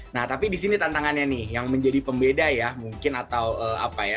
nah tapi di sini tantangannya nih yang menjadi pembeda ya mungkin atau apa ya